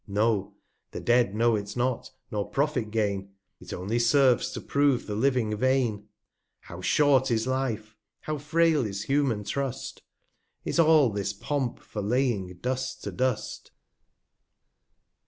No : The Dead know it not, nor Profit gain ; Jt only serves to prove the Living vain. (How short is Life! how frail is human Trust! 235 Is all this Pomp for laying Dust to Dust